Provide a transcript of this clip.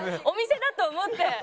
お店だと思って。